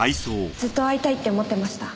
ずっと会いたいって思ってました。